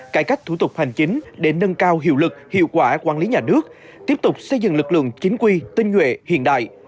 cải cách thủ tục hành chính để nâng cao hiệu lực hiệu quả quản lý nhà nước tiếp tục xây dựng lực lượng chính quy tinh nguyện hiện đại